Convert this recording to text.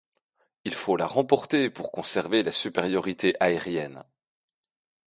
Il faut la remporter pour conserver la supériorité aérienne.